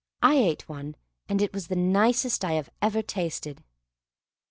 I ate one, and it was the nicest I have ever tasted."